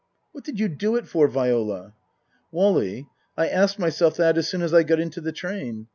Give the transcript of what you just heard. " What did you do it for, Viola ?"" Wally, I asked myself that as soon as I got into the train.